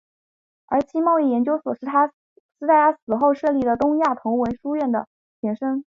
而日清贸易研究所是在他死后设立的东亚同文书院的前身。